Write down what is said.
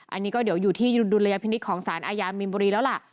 อันนี้ก็เดี๋ยวอยู่ที่ดุลยพินิษฐ์ของสารอาญามีนบุรีแล้วล่ะ